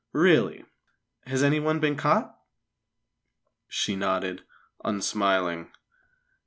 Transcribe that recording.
"Really! Has anyone been caught?" She nodded, unsmiling.